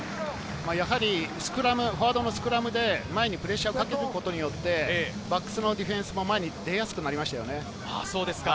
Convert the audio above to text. やはりスクラム、フォワードのスクラムで前にプレッシャーをかけることによって、バックスのディフェンスも前に出やすくなりましたよね。